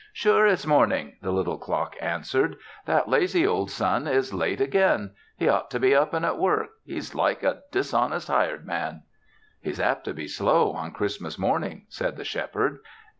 "Sure it's morning!" the little clock answered. "That lazy old sun is late again. He ought to be up and at work. He's like a dishonest hired man." "He's apt to be slow on Christmas morning," said the Shepherd.